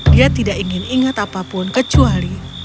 dia tidak ingin ingat apapun kecuali